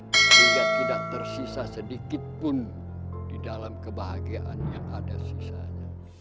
sehingga tidak tersisa sedikit pun di dalam kebahagiaan yang ada sisanya